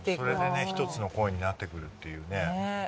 それでね１つの声になってくるっていうね。ねぇ。